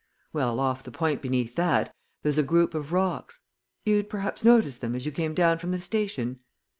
"Well, off the point beneath that, there's a group of rocks you'd perhaps noticed them as you came down from the station?